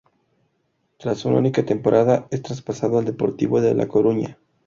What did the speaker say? Tras una única temporada, es traspasado al Deportivo de la Coruña.